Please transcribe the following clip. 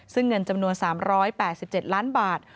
ซึ่งเงินจำนวน๓๘๗ล้านบาท